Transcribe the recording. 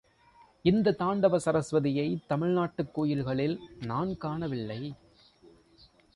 இந்த தாண்டவ சரஸ்வதியைத் தமிழ் நாட்டுக் கோயில்களில் நான் காணவில்லை.